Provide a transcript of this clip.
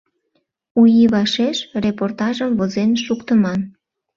У ий вашеш репортажым возен шуктыман.